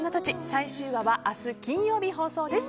最終話は明日金曜日放送です。